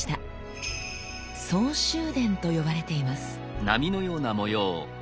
「相州伝」と呼ばれています。